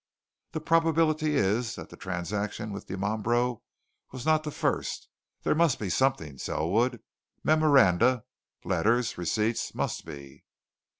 The probability is that the transaction with Dimambro was not the first. There must be something, Selwood memoranda, letters, receipts must be!"